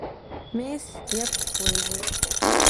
Мес, еплъ уэ езыр!